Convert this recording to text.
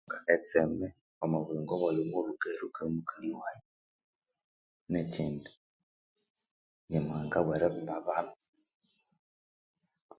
Etseme omwa buyingo bwaghe omughulhu ngaherukaya mukali waghe nekindi nyamuhanga haberimba abana